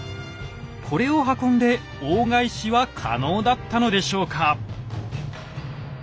これを運んで大返しは可能だったのでしょうか？